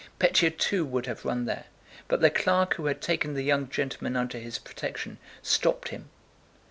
Pétya too would have run there, but the clerk who had taken the young gentleman under his protection stopped him.